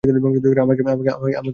আমাকে করতে দিন।